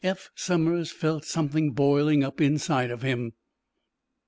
Eph Somers felt something boiling up inside of him.